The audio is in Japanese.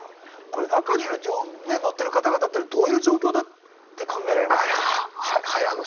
中に乗っている方々はどういう状況だと考えられますか？